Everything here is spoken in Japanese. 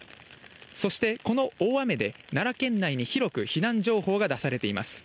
そしてこの大雨で、奈良県内に広く避難情報が出されています。